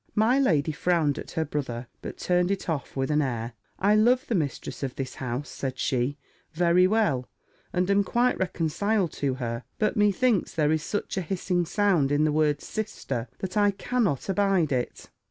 My lady frowned at her brother, but turned it off with an air: "I love the mistress of this house," said she, "very well; and am quite reconciled to her: but methinks there is such a hissing sound in the word Sister, that I cannot abide it.